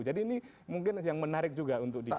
jadi ini mungkin yang menarik juga untuk dikaji